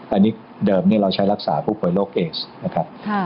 อันนี้เดิมเราใช้รักษาผู้ป่วยโรคเอสนะครับ